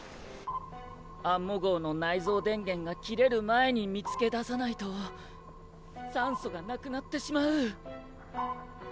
アンモ号の内蔵電源が切れる前に見つけ出さないと酸素がなくなってしまう。